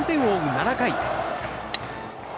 ７回。